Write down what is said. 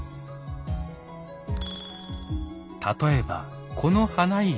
例えばこの花入。